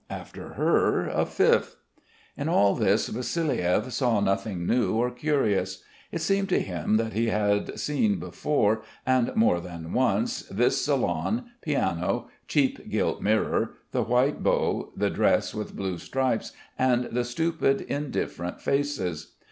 After her a fifth. In all this Vassiliev saw nothing new or curious. It seemed to him that he had seen before, and more than once, this salon, piano, cheap gilt mirror, the white bow, the dress with blue stripes and the stupid, indifferent faces.